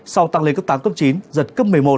sau tăng lên cấp tám cấp chín giật cấp một mươi một